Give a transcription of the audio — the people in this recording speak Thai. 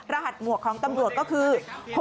รหัสหมวกของตำรวจก็คือ